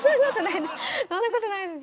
そんなことないです。